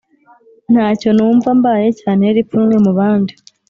ntacyo numva mbaye cyantera ipfunwe mu bandi